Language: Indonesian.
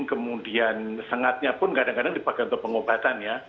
kemudian sengatnya pun kadang kadang dipakai untuk pengobatannya